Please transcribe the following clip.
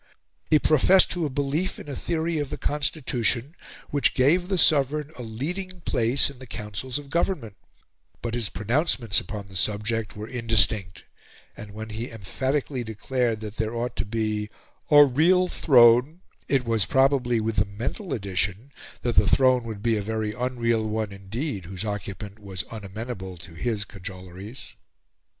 He professed to a belief in a theory of the Constitution which gave the Sovereign a leading place in the councils of government; but his pronouncements upon the subject were indistinct; and when he emphatically declared that there ought to be "a real Throne," it was probably with the mental addition that that throne would be a very unreal one indeed whose occupant was unamenable to his cajoleries.